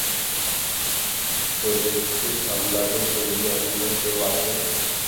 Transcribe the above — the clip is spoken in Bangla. তাদেরকে সামলাবে যদি অন্য কেউ আসে?